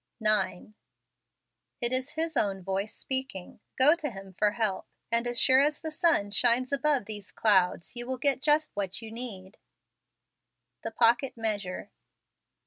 9. It is His own voice speaking. Go to Him for help, and as sure as the sun shines above these clouds you will get just what you need. The Pocket Measure.